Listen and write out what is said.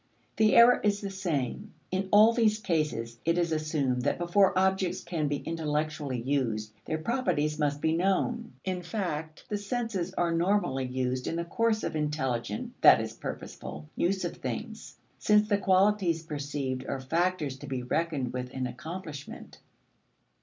The error is the same: in all these cases it is assumed that before objects can be intelligently used, their properties must be known. In fact, the senses are normally used in the course of intelligent (that is, purposeful) use of things, since the qualities perceived are factors to be reckoned with in accomplishment.